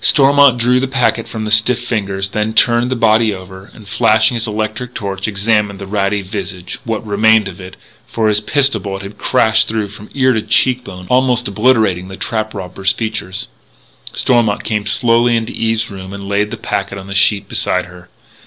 Stormont drew the packet from the stiff fingers, then turned the body over, and, flashing his electric torch, examined the ratty visage what remained of it for his pistol bullet had crashed through from ear to cheek bone, almost obliterating the trap robber's features. Stormont came slowly into Eve's room and laid the packet on the sheet beside her.